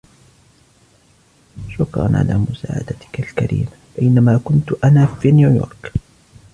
شكراً على مساعدتكِ الكريمة بينما كنت أنا في نيويورك.